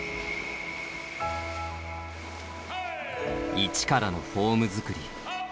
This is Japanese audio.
一からのフォームづくり。